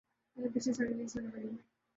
لیکن پچھلے سال ریلیز ہونے والی